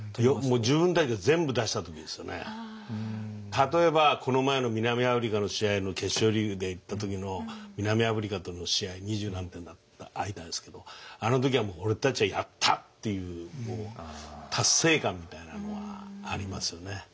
例えばこの前の南アフリカの試合の決勝リーグで行った時の南アフリカとの試合二十何点だった開いたんですけどあの時は「俺たちはやった」っていう達成感みたいなものがありますよね。